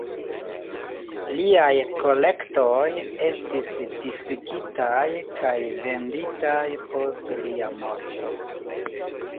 Liaj kolektoj estis disigitaj kaj venditaj post lia morto.